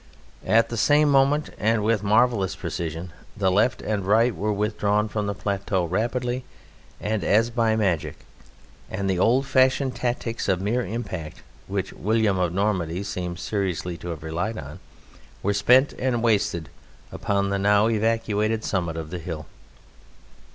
At the same moment, and with marvellous precision, the left and right were withdrawn from the plateau rapidly and as by magic, and the old fashioned tactics of mere impact (which William of Normandy seems seriously to have relied on!) were spent and wasted upon the now evacuated summit of the hill.